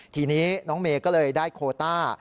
ทีนี้น้องเมย์ก็เลยได้โคต้า